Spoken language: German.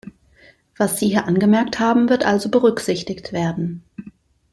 Was Sie hier angemerkt haben wird also berücksichtigt werden.